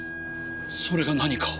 それが何か？